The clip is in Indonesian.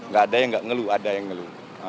gak ada yang gak ngelu ada yang ngelu